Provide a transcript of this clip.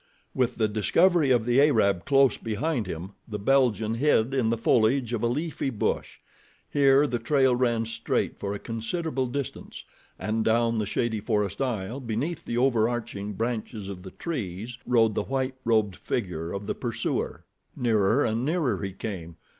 With the discovery of the Arab close behind him, the Belgian hid in the foliage of a leafy bush. Here the trail ran straight for a considerable distance, and down the shady forest aisle, beneath the overarching branches of the trees, rode the white robed figure of the pursuer. Nearer and nearer he came.